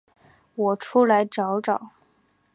我出来找找